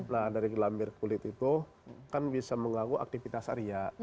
nah dari gelambir kulit itu kan bisa mengganggu aktivitas arya